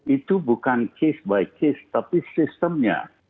itu bukan case by case tapi sistemnya